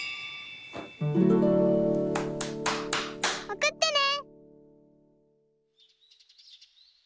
おくってね！